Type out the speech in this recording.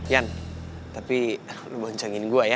yan tapi lo boncengin gue ya